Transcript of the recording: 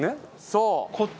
そう。